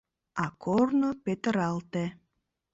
А корно петыралте.